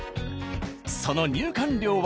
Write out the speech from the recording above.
その入館料は。